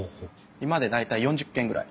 今で大体４０軒ぐらい。